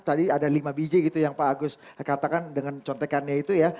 tadi ada lima biji gitu yang pak agus katakan dengan contekannya itu ya